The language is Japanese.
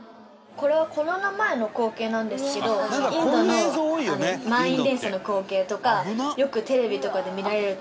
これはコロナ前の光景なんですけどインドの満員電車の光景とかよくテレビとかで見られると思うんですよ。